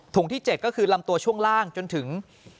ที่๗ก็คือลำตัวช่วงล่างจนถึง